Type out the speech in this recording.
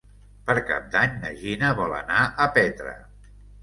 Per Cap d'Any na Gina vol anar a Petra.